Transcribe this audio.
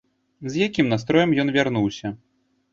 З якім настроем ён вярнуўся?